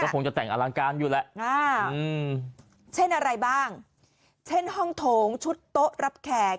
คงจะแต่งอลังการอยู่แหละเช่นอะไรบ้างเช่นห้องโถงชุดโต๊ะรับแขก